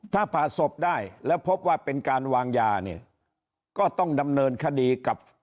ถ้าผ่าศพได้แล้วพบว่าเป็นการวางยาเนี่ยก็ต้องดำเนินคดีกับ